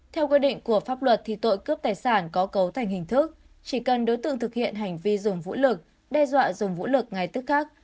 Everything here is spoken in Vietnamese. theo quy định của pháp luật tội cướp tài sản có cấu thành hình thức chỉ cần đối tượng thực hiện hành vi dùng vũ lực đe dọa dùng vũ lực ngay tức khác